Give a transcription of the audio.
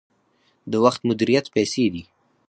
د وخت مدیریت پیسې دي